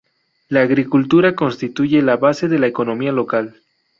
La agricultura constituye la base de la economía local.